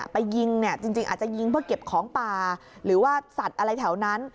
ไปยิงเนี่ยจริงอาจจะยิงเพื่อเก็บของป่าหรือว่าสัตว์อะไรแถวนั้น